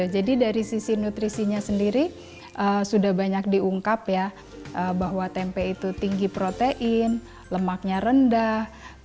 jadi dari sisi nutrisinya sendiri sudah banyak diungkap ya bahwa tempe itu tinggi protein lemaknya rendah